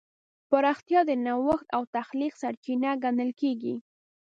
پراختیا د نوښت او تخلیق سرچینه ګڼل کېږي.